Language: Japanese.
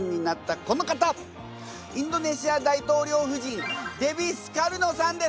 インドネシア大統領夫人デヴィ・スカルノさんです。